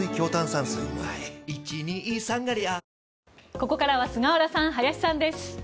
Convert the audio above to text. ここからは菅原さん、林さんです。